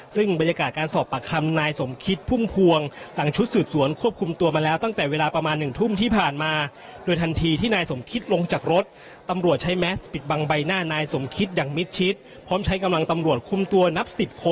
ซึ่งบรรยากาศการสอบประคำนายสมคิดพุ่มพวง